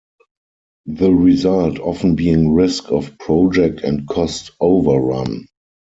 The result often being risk of project and cost overrun.